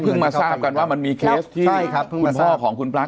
มาทราบกันว่ามันมีเคสที่คุณพ่อของคุณปลั๊